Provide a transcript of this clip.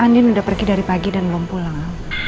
andin sudah pergi dari pagi dan belum pulang